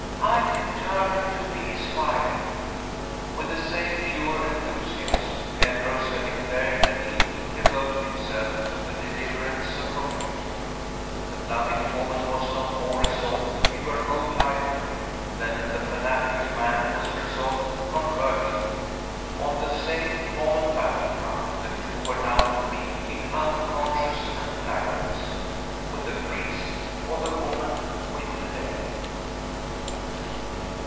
"I determine to be his wife!" With the same pure enthusiasm, Penrose had declared that he too devoted himself to the deliverance of Romayne. The loving woman was not more resolved to give her whole life to him, than the fanatical man was resolved to convert him. On the same common battle ground the two were now to meet in unconscious antagonism. Would the priest or the woman win the day?